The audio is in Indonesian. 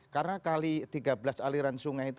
karena kali tiga belas aliran sungai itu